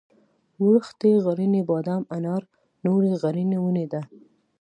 وړښتی غرنی بادام انار نورې غرنۍ ونې دي.